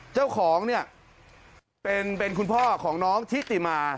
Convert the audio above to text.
เจ้าของเนี่ยเป็นคุณพ่อของน้องทิติมา